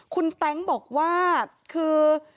คุณแต๊งบอกว่าคือ